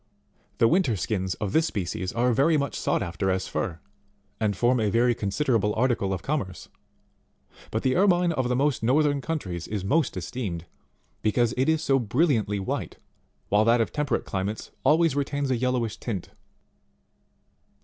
The winter skins of this species are very much sought as fur, and form a very considerable article of commerce; but the Ermine of the most northern countries is most esteemed, because it is so brilliantly white, while that of temperate climates always retains a yellowish tint 23.